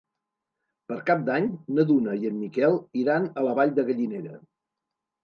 Per Cap d'Any na Duna i en Miquel iran a la Vall de Gallinera.